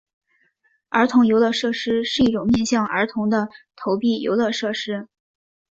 儿童游乐设施是一种面向儿童的投币游乐设施。